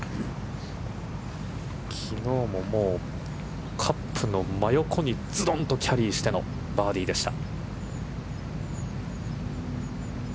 きのうもカップの真横にズドンとキャリーしてのバーディーでした。